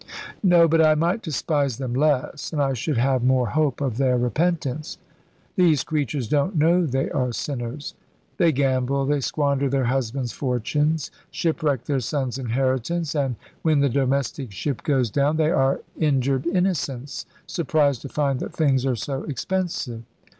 "No; but I might despise them less. And I should have more hope of their repentance. These creatures don't know they are sinners. They gamble, they squander their husbands' fortunes, shipwreck their sons' inheritance; and when the domestic ship goes down they are injured innocents, surprised to find that 'things are so expensive.'